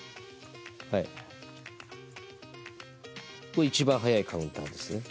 これ一番速いカウンターですね。